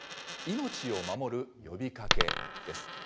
「命を守る呼びかけ」です。